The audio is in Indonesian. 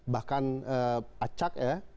bahkan acak ya